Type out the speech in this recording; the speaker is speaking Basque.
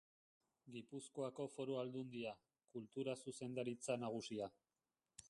Gipuzkoako Foru Aldundia, Kultura Zuzendaritza Nagusia.